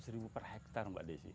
seratus ribu per hektare mbak desi